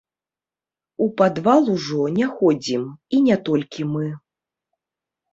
У падвал ужо не ходзім, і не толькі мы.